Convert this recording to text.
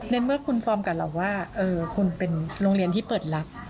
ในเมื่อคุณฟอร์มกับเราว่าคุณเป็นโรงเรียนที่เปิดรับ